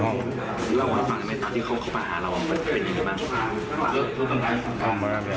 หนังหนังเท่าไรแล้ว